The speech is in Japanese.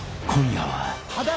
［今夜は］